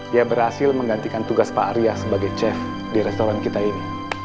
dia berhasil menggantikan tugas pak arya sebagai chef di restoran kita ini